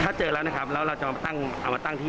ถ้าเจอแล้วนะครับแล้วเราจะเอามาตั้งที่ภาษากรมา